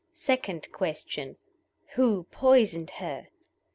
SECOND QUESTION WHO POISONED HER?